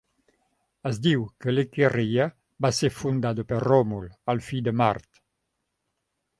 Es diu que l'Equirria va ser fundada per Ròmul, el fill de Mart.